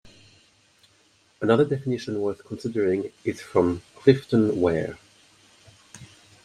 Another definition worth considering is from Clifton Ware.